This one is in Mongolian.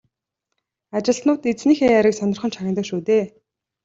Ажилтнууд эзнийхээ яриаг сонирхон чагнадаг шүү дээ.